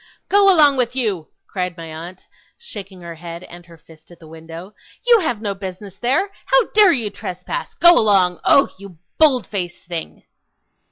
'Go along with you!' cried my aunt, shaking her head and her fist at the window. 'You have no business there. How dare you trespass? Go along! Oh! you bold faced thing!